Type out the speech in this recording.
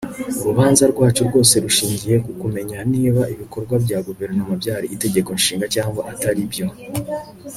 Urubanza rwacu rwose rushingiye ku kumenya niba ibikorwa bya guverinoma byari itegeko nshinga cyangwa atari byo